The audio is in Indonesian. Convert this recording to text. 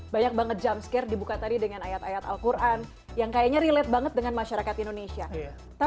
banyak banget jumpscare dibuka tadi dengan ayat ayat al quran yang kayaknya relate banget dengan masyarakat indonesia